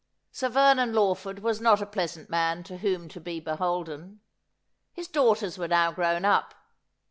Sir Vernon Lawf ord was not a pleasant man to whom to be beholden. His daughters were now grown up.